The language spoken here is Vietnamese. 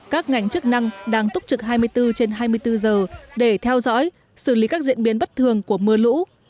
các ngành chức năng đang túc trực hai mươi bốn trên hai mươi bốn giờ để theo dõi xử lý các diễn biến bất thường của mưa lũ